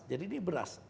jadi ini beras